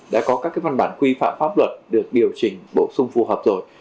đã có các văn bản quy phạm pháp luật được điều chỉnh bổ sung phù hợp rồi